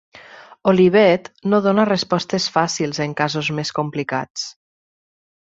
Olivet no dona respostes fàcils en casos més complicats.